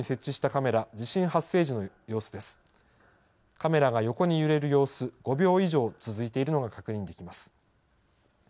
カメラが横に揺れる様子、５秒以上続いているのが確認できます。